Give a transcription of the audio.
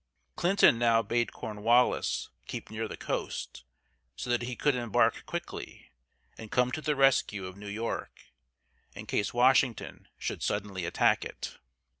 Clinton now bade Cornwallis keep near the coast, so that he could embark quickly and come to the rescue of New York, in case Washington should suddenly attack it.